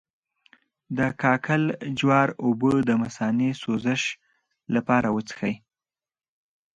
د کاکل جوار اوبه د مثانې د سوزش لپاره وڅښئ